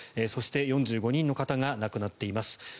そして４５人の方が亡くなっています。